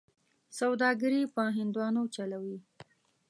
سوداګري په هندوانو چلوي.